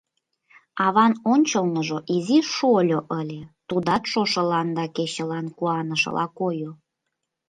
Аван ончылныжо изи шольо ыле, тудат шошылан да кечылан куанышыла койо.